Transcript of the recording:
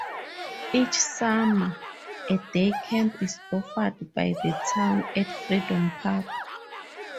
Each summer, a day camp is offered by the town at Freedom Park.